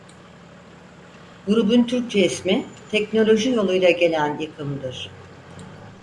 Grubun Türkçe ismi "Teknoloji Yoluyla Gelen Yıkım"'dır.